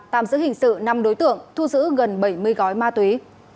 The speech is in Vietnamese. tạm giữ hình sự năm đối tượng thu giữ gần bảy mươi gói ma túy